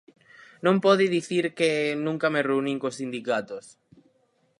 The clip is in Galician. Non pode dicir que nunca me reunín cos sindicatos.